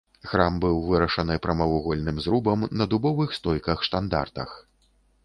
Храм быў вырашаны прамавугольным зрубам на дубовых стойках-штандартах.